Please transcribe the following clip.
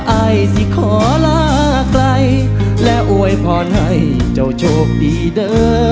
อายสิขอลาไกลและอวยพรให้เจ้าโชคดีเด้อ